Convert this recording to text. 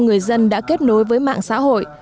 người dân đã kết nối với mạng xã hội